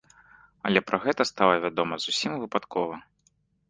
Але пра гэта стала вядома зусім выпадкова.